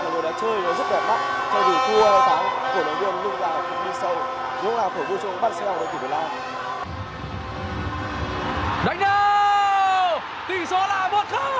nhưng là cũng đi sâu cũng là phổ vô cho bắt xe của đội tuyển việt nam